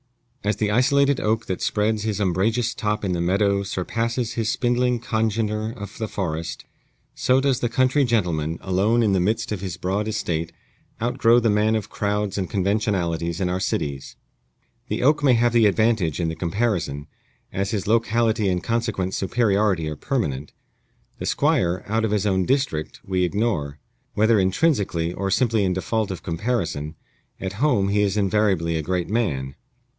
As the isolated oak that spreads his umbrageous top in the meadow surpasses his spindling congener of the forest, so does the country gentleman, alone in the midst of his broad estate, outgrow the man of crowds and conventionalities in our cities. The oak may have the advantage in the comparison, as his locality and consequent superiority are permanent. The Squire, out of his own district, we ignore. Whether intrinsically, or simply in default of comparison, at home he is invariably a great man.